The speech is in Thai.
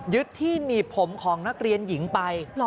ที่หนีบผมของนักเรียนหญิงไป